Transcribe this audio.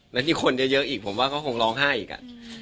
แล้วที่คนเยอะอีกผมว่าก็คงร้องไห้อีกอ่ะ